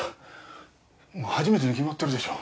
初めてに決まってるでしょ。